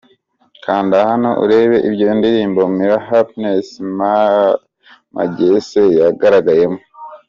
Kanda hano urebe iyo ndirimbo Millen Happiness Magese yagaragayemo.